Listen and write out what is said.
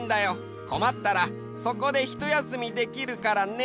こまったらそこでひとやすみできるからね。